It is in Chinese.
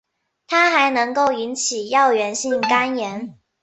它还能够引起药源性肝炎。